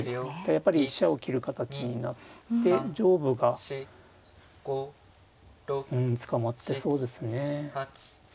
やっぱり飛車を切る形になって上部がうん捕まってそうですね。